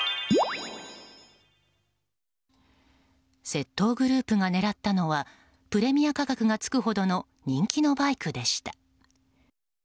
窃盗グループが狙ったのはプレミア価格がつくほどの人気のバイクでした。